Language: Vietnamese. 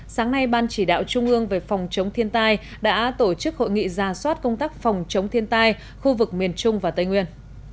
sáng nay ban chỉ đạo trung ương về phòng chống thiên tai đã tổ chức hội nghị ra soát công tác phòng chống thiên tai khu vực miền trung và tây nguyên